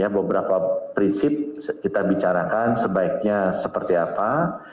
beberapa prinsip kita bicarakan sebaiknya seperti apa